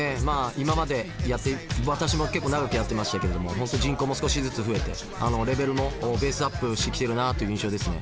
今まで私も結構長くやってましたけれども本当人口も少しずつ増えてレベルもベースアップしてきてるなという印象ですね。